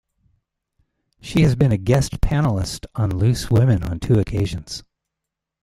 She has been a guest panellist on "Loose Women" on two occasions.